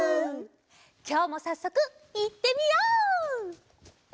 きょうもさっそくいってみよう！